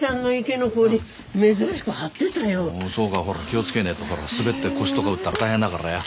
気を付けねえと滑って腰とか打ったら大変だからよ。